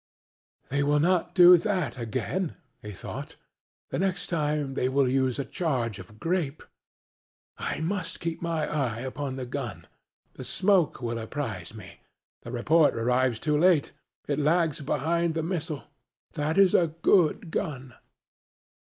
"They will not do that again," he thought; "the next time they will use a charge of grape. I must keep my eye upon the gun; the smoke will apprise me the report arrives too late; it lags behind the missile. That is a good gun."